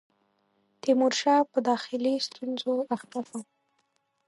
تیمورشاه په داخلي ستونزو اخته شو.